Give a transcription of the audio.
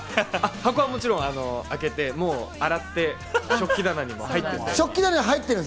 箱はもちろん開けて、洗って食器棚に入ってます。